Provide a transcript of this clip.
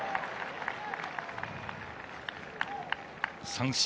三振。